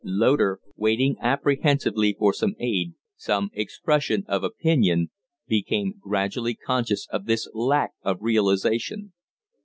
Loder, waiting apprehensively for some aid, some expression of opinion, became gradually conscious of this lack of realization.